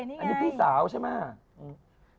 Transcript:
อันนี้พี่สาวใช่ไหม